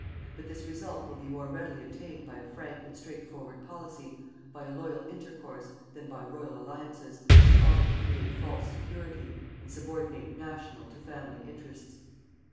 But this result will be more readily obtained by a frank and straightforward policy, by a loyal intercourse, than by royal alliances, which often create false security, and subordinate national to family interests.